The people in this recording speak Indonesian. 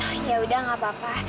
oh yaudah gak apa apa